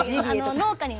農家にね。